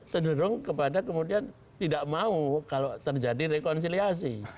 cenderung kepada kemudian tidak mau kalau terjadi rekonsiliasi